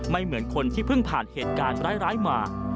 เหมือนคนที่เพิ่งผ่านเหตุการณ์ร้ายมา